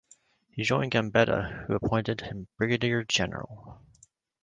He joined Gambetta who appointed him brigadier general.